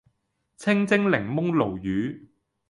清蒸檸檬鱸魚